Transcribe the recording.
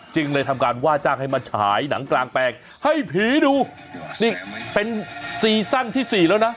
จึงเลยทำการว่าจ้างให้มาฉายหนังกลางแปลงให้ผีดูนี่เป็นซีซั่นที่สี่แล้วนะ